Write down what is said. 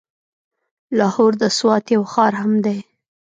لاهور د سوات يو ښار هم دی.